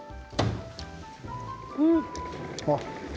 うん。